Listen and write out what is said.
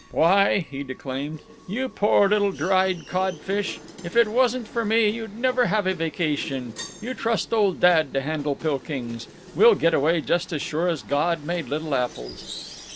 "Why," he declaimed, "you poor little dried codfish, if it wasn't for me you'd never have a vacation. You trust old dad to handle Pilkings. We'll get away just as sure as God made little apples."